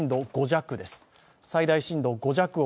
最大震度５弱です。